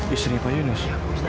istrinya pak yunus